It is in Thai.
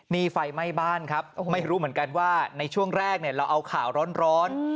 นี่ไฟไหม้บ้านครับไม่รู้เหมือนกันว่าในช่วงแรกเราเอาข่าวร้อน